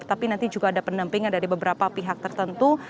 tapi nanti juga ada pendampingan dari beberapa pihak tertentu